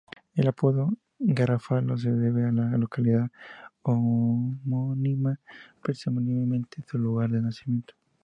El apodo "Garofalo" se debe a la localidad homónima, presumiblemente su lugar de nacimiento.